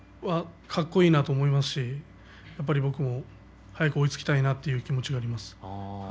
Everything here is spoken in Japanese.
かっこいいなと思いますしやっぱり僕も早く追いつきたいなという気持ちがあります。